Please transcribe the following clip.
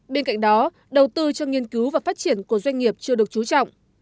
bên cạnh đó đầu tư cho nghiên cứu và phát triển của doanh nghiệp chưa được trú trọng